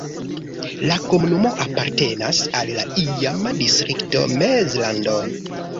La komunumo apartenas al la iama distrikto Mezlando.